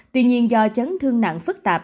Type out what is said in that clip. tuy nhiên do chấn thương nặng phức tạp